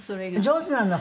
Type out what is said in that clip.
上手なの？